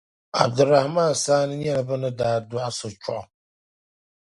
Abdul Rahaman Saani nyɛla bɛ ni daa dɔɣi so Choggu